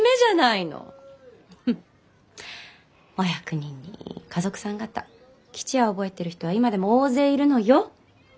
フッお役人に華族さん方吉也を覚えてる人は今でも大勢いるのよ。